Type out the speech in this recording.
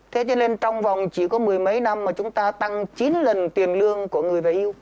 thế cho nên trong vòng chỉ có mười mấy năm mà chúng ta tăng chín lần tiền lương của người về hưu